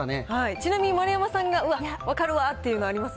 ちなみに丸山さんが、うわっ、分かるわっていうの、あります